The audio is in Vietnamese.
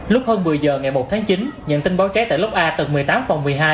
lúc hơn một mươi giờ ngày một tháng chín nhận tin báo cháy tại lốc a tầng một mươi tám phòng một mươi hai